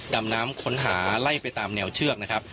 ดำน้ำค้นหาไล่ไปตามแนวเชือกนะครับ